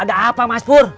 ada apa mas pur